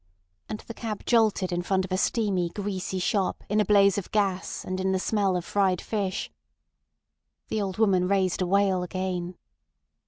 And the cab jolted in front of a steamy, greasy shop in a blaze of gas and in the smell of fried fish. The old woman raised a wail again.